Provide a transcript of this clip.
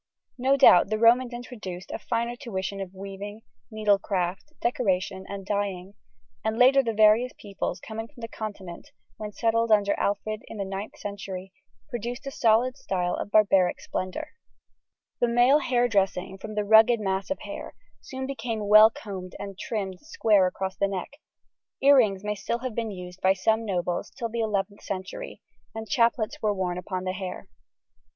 No doubt the Romans introduced a finer tuition of weaving, needlecraft, decoration, and dyeing; and later the various peoples coming from the Continent, when settled under Alfred in the 9th century, produced a solid style of barbaric splendour. [Illustration: FIG. 2.] [Illustration: FIG. 3.] The male hair dressing, from the rugged mass of hair, soon became well combed and trimmed square across the neck: ear rings may still have been in use by some nobles till the 11th century, and chaplets were worn upon the hair.